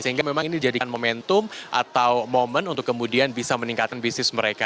sehingga memang ini dijadikan momentum atau momen untuk kemudian bisa meningkatkan bisnis mereka